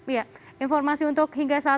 iya informasi untuk hingga setelah